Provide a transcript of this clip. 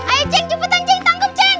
ayo jeng jemputan jeng tanggung jeng